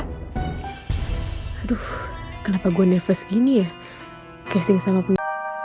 aduh kenapa gue nervous gini ya casting sama penge